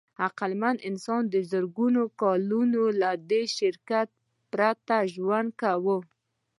عقلمن انسان زرګونه کاله له دې شرکتونو پرته ژوند کاوه.